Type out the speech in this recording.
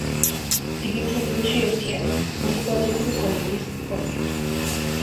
იგი მხედრულში ერთიანი, მომრგვალებული კონტურის მქონეა.